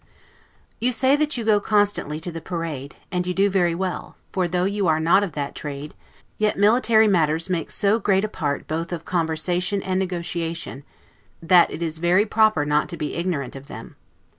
You say that you go constantly to the parade; and you do very well; for though you are not of that trade, yet military matters make so great a part both of conversation and negotiation, that it is very proper not to be ignorant of them.